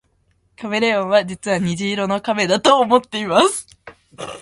カメレオンは実は虹色の亀だと思っています